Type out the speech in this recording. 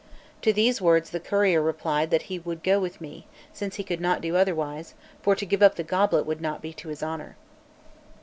To these words the courier replied that he would go with me, since he could not do otherwise, for to give up the goblet would not be to his honour.